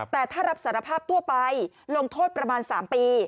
แต่ถ้ารับสารภาพทั่วไปลงโทษประมาณ๓ปี